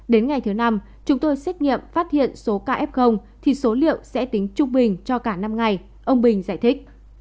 đến ngày thứ năm chúng tôi xét nghiệm phát hiện số ca f thì số liệu sẽ tính trung bình cho cả năm ngày ông bình giải thích